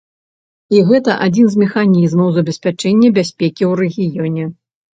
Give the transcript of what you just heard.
І гэта адзін з механізмаў забеспячэння бяспекі ў рэгіёне.